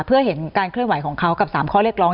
เพื่อเห็นการเคลื่อนไหวของเขากับ๓ข้อเรียกร้อง